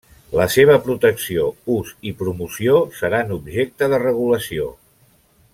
La seva protecció, ús i promoció seran objecte de regulació.